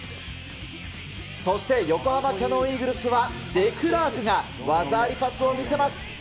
そして横浜キヤノンイーグルスはデクラークが技ありパスを見せます。